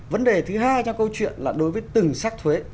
vấn đề thứ hai trong câu chuyện là đối với từng sắc thuế